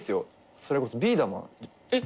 それこそ『ビーダマン』えっ？